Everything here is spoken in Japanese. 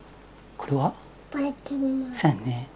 これは？